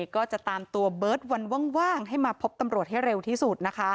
ก็จะตามตัวเบอร์ธวันว่างให้มาพบตัมหวัดเร็วที่สุด